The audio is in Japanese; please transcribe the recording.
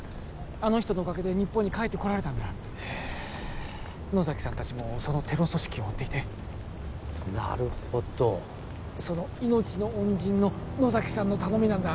あの人のおかげで日本に帰ってこられたんだへえ野崎さん達もそのテロ組織を追っていてなるほどその命の恩人の野崎さんの頼みなんだ